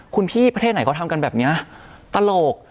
คุณพี่ประเทศไหนเขาทำกันแบบนี้ตลก